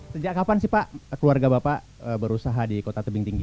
sejak kapan sih pak keluarga bapak berusaha di kota tebing tinggi